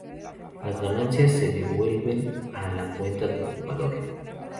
Las ganancias se devuelven a la cuenta del jugador.